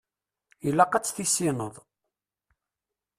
Ilaq ad tt-tissineḍ.